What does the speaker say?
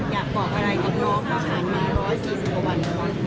อยากบอกอะไรกับน้องมาขาดมาร้อยสี่สิบกว่าวัน